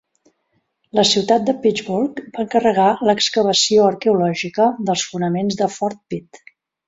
La ciutat de Pittsburgh va encarregar l'excavació arqueològica dels fonaments de Fort Pitt.